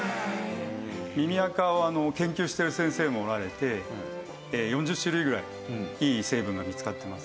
耳垢を研究してる先生もおられて４０種類ぐらいいい成分が見つかってます。